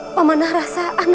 aku juga sudah proses setelah itu